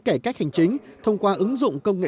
cải cách hành chính thông qua ứng dụng công nghệ